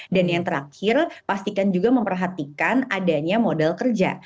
dan yang terakhir pastikan juga memperhatikan adanya modal kerja